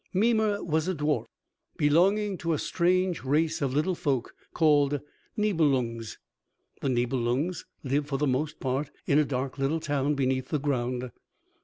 Mimer was a dwarf, belonging to a strange race of little folk called Nibelungs. The Nibelungs lived for the most part in a dark little town beneath the ground.